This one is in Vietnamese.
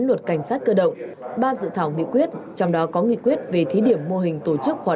luật cảnh sát cơ động ba dự thảo nghị quyết trong đó có nghị quyết về thí điểm mô hình tổ chức khóa